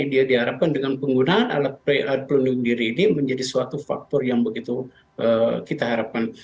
dia diharapkan dengan penggunaan alat pelindung diri ini menjadi suatu faktor yang begitu kita harapkan